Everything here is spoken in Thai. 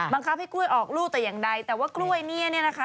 บังคับให้กล้วยออกลูกแต่อย่างใดแต่ว่ากล้วยเนี่ยเนี่ยนะคะ